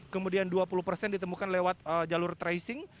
kemudian dua puluh persen ditemukan lewat jalur tracing